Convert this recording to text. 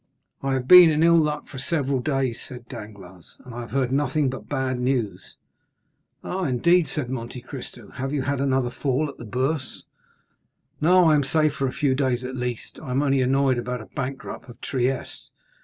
"I have been in ill luck for several days," said Danglars, "and I have heard nothing but bad news." "Ah, indeed?" said Monte Cristo. "Have you had another fall at the Bourse?" "No; I am safe for a few days at least. I am only annoyed about a bankrupt of Trieste."